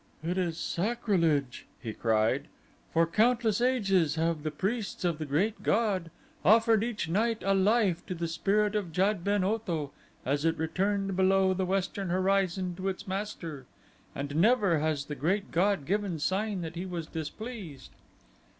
"It is sacrilege," he cried; "for countless ages have the priests of the Great God offered each night a life to the spirit of Jad ben Otho as it returned below the western horizon to its master, and never has the Great God given sign that he was displeased."